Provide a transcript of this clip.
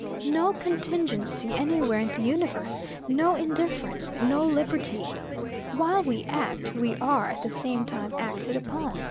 No contingency anywhere in the universe; no indifference; no liberty. While we act, we are, at the same time, acted upon.